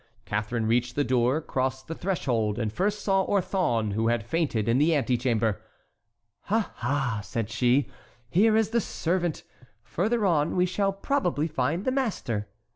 Catharine reached the door, crossed the threshold, and first saw Orthon, who had fainted in the antechamber. "Ah! ah!" said she, "here is the servant; further on we shall probably find the master."